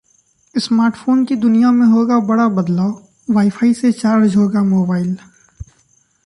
Smartphone की दुनिया में होगा बड़ा बदलाव, वाईफाई से चार्ज होगा मोबाइल!